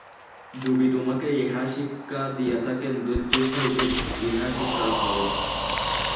যোগী তোমাকে ইহাই শিক্ষা দিয়া থাকেন, ধৈর্যের সহিত ইহা শিক্ষা কর।